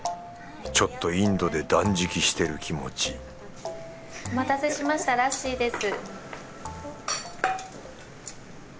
ちょっとインドで断食してる気持ちお待たせしましたラッシーです。